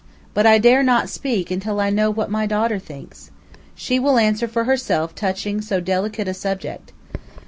But I dare not speak until I know what my daughter thinks. She will answer for herself touching so delicate a subject.